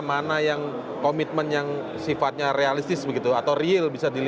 mana yang komitmen yang sifatnya realistis begitu atau real bisa dilihat